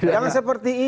jangan seperti itu